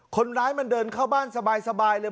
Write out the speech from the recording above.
คนร้ายมันเดินเข้าบ้านสบายเลย